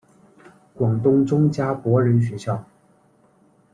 广东中加柏仁学校。